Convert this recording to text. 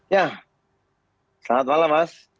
ya selamat malam mas